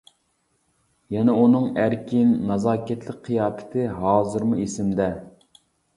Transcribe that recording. يەنە ئۇنىڭ ئەركىن نازاكەتلىك قىياپىتى ھازىرمۇ ئېسىمدە.